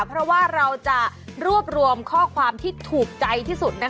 เพราะว่าเราจะรวบรวมข้อความที่ถูกใจที่สุด